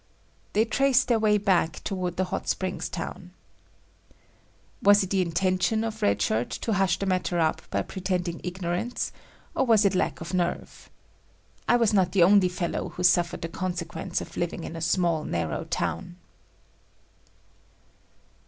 They traced their way back toward the hot springs town. Was it the intention of Red Shirt to hush the matter up by pretending ignorance, or was it lack of nerve? I was not the only fellow who suffered the consequence of living in a small narrow town.